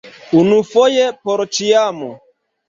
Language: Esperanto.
Unufoje por ĉiam!